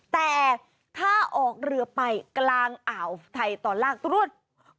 แต่ถ้าออกเรือไปกลางอ่าวไทยตอนล่างตรวจ